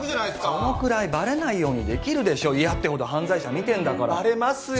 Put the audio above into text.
そのくらいバレないようにできるでしょ嫌ってほど犯罪者見てんだからバレますよ